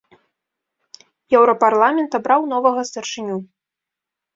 Еўрапарламент абраў новага старшыню.